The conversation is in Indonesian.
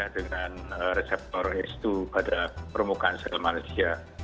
dengan reseptor h dua pada permukaan sel manusia